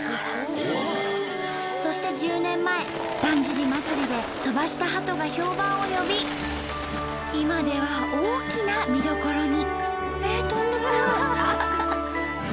そして１０年前だんじり祭で飛ばしたハトが評判を呼び今では大きな見どころに。